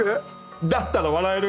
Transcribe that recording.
だったら笑える！